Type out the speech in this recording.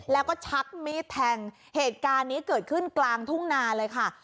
แล้วก็ชักมีดแทงเหตุการณ์นี้เกิดขึ้นกลางทุ่งนาเลยค่ะ